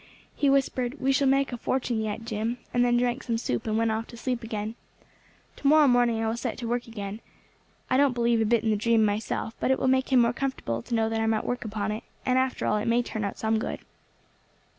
He whispered, 'We shall make a fortune yet, Jim,' and then drank some soup and went off to sleep again. Tomorrow morning I will set to work again. I don't believe a bit in the dream myself, but it will make him more comfortable to know that I am at work upon it; and after all it may turn out some good."